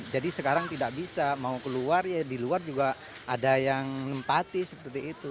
jadi sekarang tidak bisa mau keluar ya di luar juga ada yang nempati seperti itu